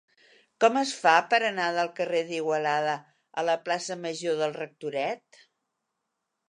Com es fa per anar del carrer d'Igualada a la plaça Major del Rectoret?